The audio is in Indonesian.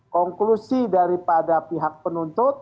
konklusi daripada pihak penuntut